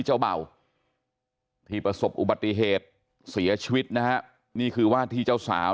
เจ้าเบ่าที่ประสบอุบัติเหตุเสียชีวิตนะฮะนี่คือว่าที่เจ้าสาว